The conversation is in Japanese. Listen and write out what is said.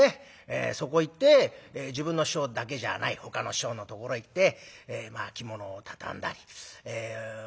そこへ行って自分の師匠だけじゃないほかの師匠のところへ行って着物を畳んだりそれから高座返しですね。